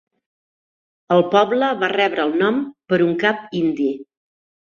El poble va rebre el nom per un cap indi.